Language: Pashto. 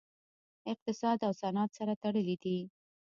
اقتصاد او صنعت سره تړلي دي